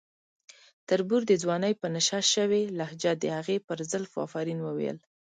تربور د ځوانۍ په نشه شوې لهجه د هغې پر زلفو افرین وویل.